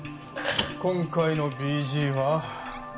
今回のＢＧは。